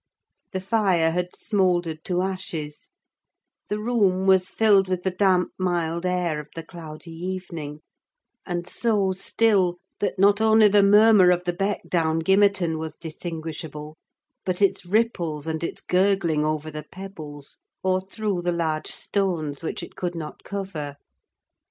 The fire had smouldered to ashes; the room was filled with the damp, mild air of the cloudy evening; and so still, that not only the murmur of the beck down Gimmerton was distinguishable, but its ripples and its gurgling over the pebbles, or through the large stones which it could not cover.